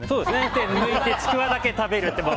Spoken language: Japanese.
１回抜いてちくわだけ食べるって。